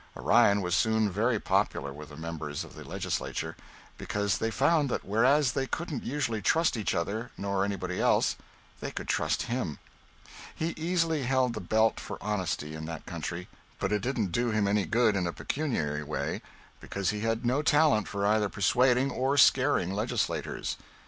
Orion was soon very popular with the members of the legislature, because they found that whereas they couldn't usually trust each other, nor anybody else, they could trust him. He easily held the belt for honesty in that country, but it didn't do him any good in a pecuniary way, because he had no talent for either persuading or scaring legislators.